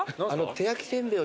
手焼きせんべい。